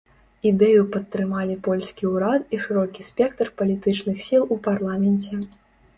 Ідэю падтрымалі польскі ўрад і шырокі спектр палітычных сіл у парламенце.